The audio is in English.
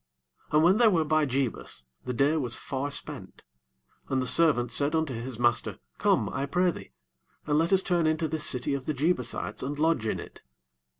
11 And when they were by Jebus, the day was far spent; and the servant said unto his master, Come, I pray thee, and let us turn in into this city of the Jeb'usites, and lodge in it.